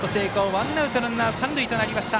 ワンアウトランナー、三塁となりました。